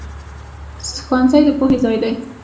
ښوونځی د پوهې ځای دی